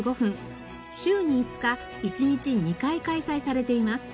週に５日１日２回開催されています。